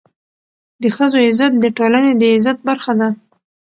د ښځو عزت د ټولني د عزت برخه ده.